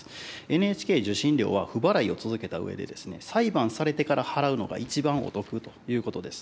ＮＨＫ受信料は、不払いを続けたうえで、裁判されてから払うのが一番お得ということです。